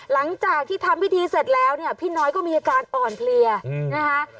หลังจากที่ทำพิธีเสร็จแล้วเนี่ยพี่น้อยก็มีอาการอ่อนเพลียนะคะ